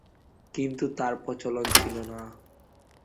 কিন্তু তার প্রচলন ছিল না।